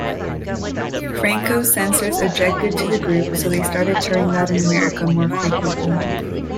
Franco's censors objected to the group, so they started touring Latin America more frequently.